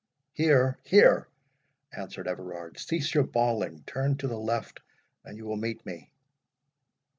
"Here, here!" answered Everard. "Cease your bawling. Turn to the left, and you will meet me."